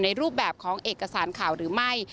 รูปแบบของเอกสารข่าวหรือไม่